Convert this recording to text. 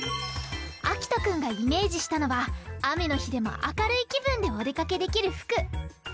あきとくんがイメージしたのはあめのひでもあかるいきぶんでおでかけできるふく。